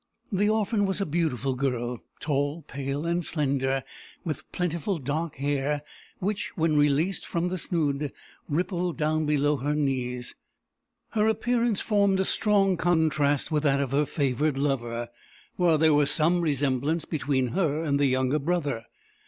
"The orphan was a beautiful girl, tall, pale, and slender, with plentiful dark hair, which, when released from the snood, rippled down below her knees. Her appearance formed a strong contrast with that of her favoured lover, while there was some resemblance between her and the younger brother.